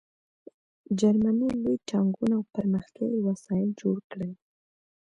جرمني لوی ټانکونه او پرمختللي وسایل جوړ کړل